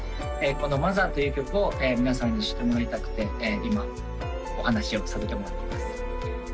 この「マザー」という曲を皆さんに知ってもらいたくて今お話しをさせてもらっています